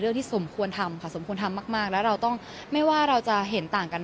ที่สมควรทำค่ะสมควรทำมากมากแล้วเราต้องไม่ว่าเราจะเห็นต่างกัน